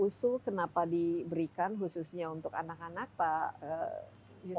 usul kenapa diberikan khususnya untuk anak anak pak yusuf